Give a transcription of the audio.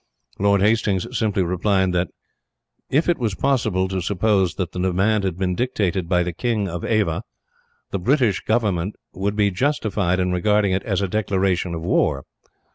Lord Hastings simply replied that if it was possible to suppose that the demand had been dictated by the King of Ava, the British government would be justified in regarding it as a declaration of war.